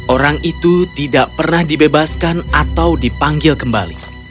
orang itu tidak pernah dibebaskan atau dipanggil kembali